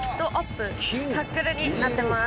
タックルになってます。